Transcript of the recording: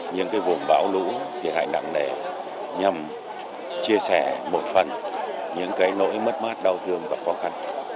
những vùng bão lũ thiệt hại nặng nề nhằm chia sẻ một phần những cái nỗi mất mát đau thương và khó khăn